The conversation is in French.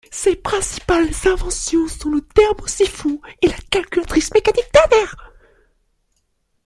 Ses principales inventions sont le thermosiphon et la calculatrice mécanique ternaire.